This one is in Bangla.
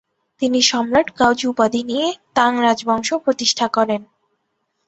তিনি সম্রাট গাওজু উপাধি নিয়ে তাং রাজবংশ প্রতিষ্ঠা করেন।